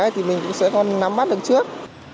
thì mình cũng sẽ còn nắm bắt được trước